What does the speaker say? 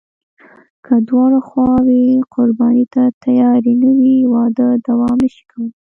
که دواړه خواوې قرباني ته تیارې نه وي، واده دوام نشي کولی.